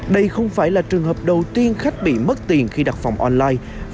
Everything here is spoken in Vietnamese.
đây không phải là trường hợp đầu tiên khách bị mất tiền khi đặt phòng online